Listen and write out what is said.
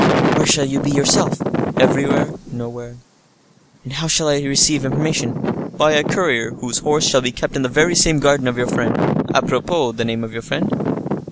"Where shall you be yourself?" "Everywhere; nowhere." "And how shall I receive information?" "By a courier whose horse shall be kept in the very same garden of your friend. A propos, the name of your friend?"